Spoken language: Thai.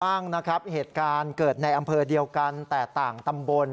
บ้างนะครับเหตุการณ์เกิดในอำเภอเดียวกันแต่ต่างตำบล